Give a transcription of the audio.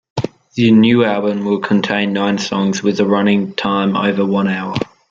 The new album will contain nine songs with a running time over one hour.